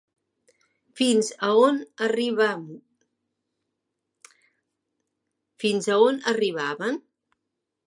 Fins a on arribaven?